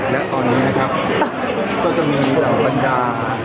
และตอนนี้นะครับก็จะมีเหล่าบรรดา